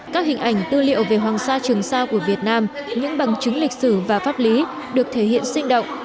các hình ảnh tư liệu về hoàng sa trường sa của việt nam những bằng chứng lịch sử và pháp lý được thể hiện sinh động